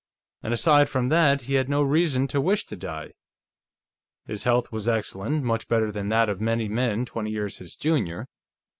And, aside from that, he had no reason to wish to die. His health was excellent; much better than that of many men twenty years his junior.